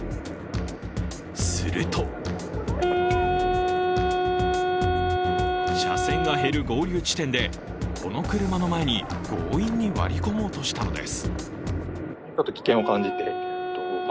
すると車線が減る合流地点でこの車の前に強引に割り込もうとしたのです。